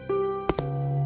aku senang berpikir